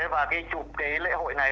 và cái chụp cái lễ hội này